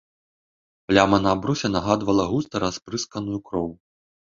Пляма на абрусе нагадвала густа распырсканую кроў.